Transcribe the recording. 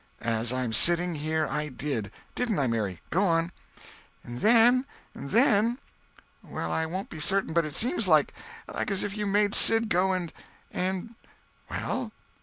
"As I'm sitting here, I did! Didn't I, Mary! Go on!" "And then—and then—well I won't be certain, but it seems like as if you made Sid go and—and—" "Well?